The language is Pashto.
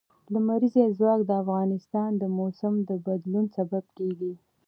لمریز ځواک د افغانستان د موسم د بدلون سبب کېږي.